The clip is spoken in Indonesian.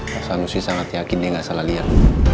masa nusy sangat yakin dia gak salah liat